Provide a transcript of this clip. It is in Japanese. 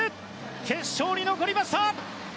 決勝に残りました。